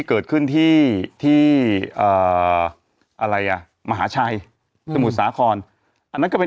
เกิดขึ้นที่ที่เอ่ออะไรอ่ะมหาชัยสมุทรสาครอันนั้นก็เป็น